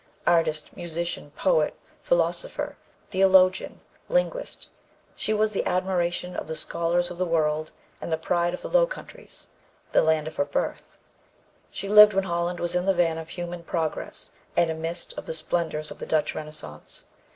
Artist, musician, poet, philosopher, theologian, linguist, she was the admiration of the scholars of the world and the pride of the Low Countries the land of her birth. She lived when Holland was in the van of human progress and amidst of the splendors of the Dutch Renaissance.